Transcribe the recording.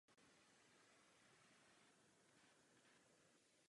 Jako pomocný dělník budoval tehdejší městskou část Spořilov v Praze.